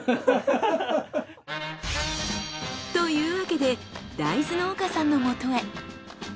というわけで大豆農家さんのもとへ。